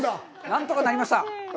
何とかなりました。